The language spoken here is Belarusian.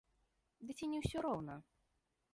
Ды ці не ўсё роўна?